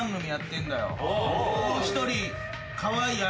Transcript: もう１人。